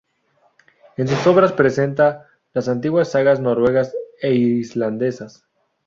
En sus obras presenta las antiguas sagas noruegas e islandesas.